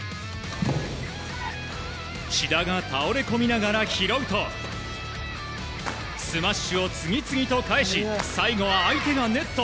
志田が倒れ込みながら拾うとスマッシュを次々と返し最後は相手がネット。